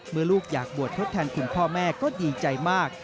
เมื่อลูกอยากบวชเข้าแทนคุณพ่อแม่ก็ดีใจมาก